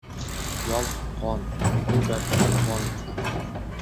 Yol- g‘on, bu gap yolg‘on!